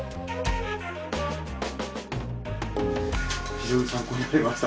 非常に参考になりました。